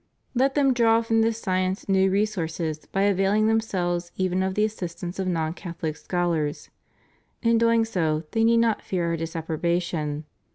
Let them draw from this sci ence new resources by availing themselves even of the as sistance of non Catholic scholars. In doing so they need not fear Our disapprobation.